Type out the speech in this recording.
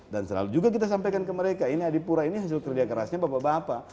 dan selalu juga kita sampaikan ke mereka ini adipura ini hasil kerja kerasnya bapak bapak